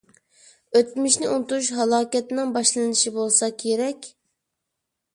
ئۆتمۈشنى ئۇنتۇش ھالاكەتنىڭ باشلىنىشى بولسا كېرەك.